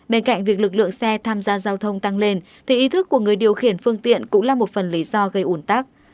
bên cạnh việc lực lượng xe tham gia giao thông tăng lên thì ý thức của người điều khiển phương tiện cũng là một phần lý do gây ủn tắc